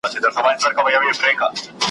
په انارګل کي چي د سرومیو پیالې وي وني `